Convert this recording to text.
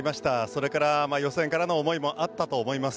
それから予選からの思いもあったと思います。